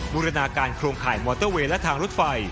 บูรณาการโครงข่ายมอเตอร์เวย์และทางรถไฟ